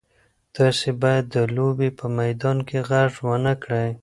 تاسي باید د لوبې په میدان کې غږ ونه کړئ.